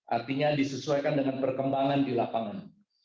artinya disesuaikan dengan perkembangan di lapangan